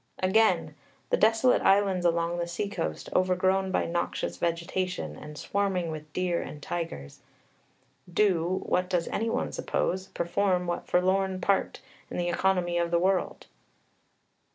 Again, "The desolate islands along the sea coast, overgrown by noxious vegetation, and swarming with deer and tigers" do, what does any one suppose, perform what forlorn part in the economy of the world?